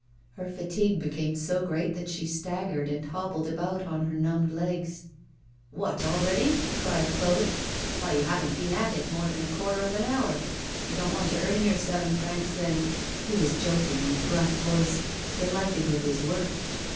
Her fatigue became so great that she staggered and hobbled about on her numbed legs. 'What, already?' cried Claude. 'Why, you haven't been at it more than a quarter of an hour. You don't want to earn your seven francs, then?' He was joking in a gruff voice, delighted with his work.